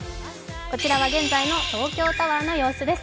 こちらは現在の東京タワーの様子です。